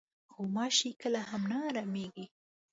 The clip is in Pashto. غوماشې کله هم نه ارامېږي.